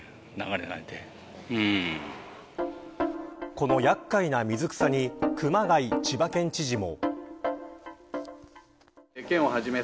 この厄介な水草に熊谷千葉県知事も。